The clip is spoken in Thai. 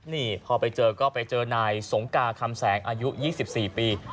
นี่พอไปเจอก็ไปเจอนายสงกาคำแสงอายุ๒๔ปี